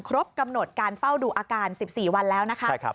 ครบกำหนดการเฝ้าดูอาการ๑๔วันแล้วนะคะ